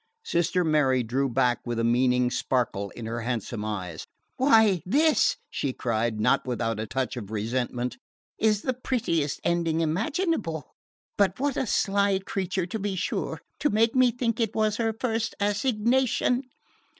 Sister Mary drew back with a meaning sparkle in her handsome eyes. "Why, this," she cried, not without a touch of resentment, "is the prettiest ending imaginable; but what a sly creature, to be sure, to make me think it was her first assignation!"